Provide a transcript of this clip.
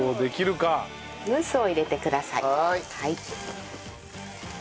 はい。